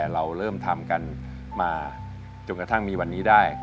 เราเริ่มทำกันมาจนกระทั่งมีวันนี้ได้